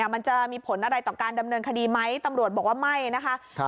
มันจะมีผลอะไรต่อการดำเนินคดีไหมตำรวจบอกว่าไม่นะคะ